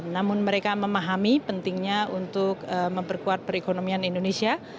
namun mereka memahami pentingnya untuk memperkuat perekonomian indonesia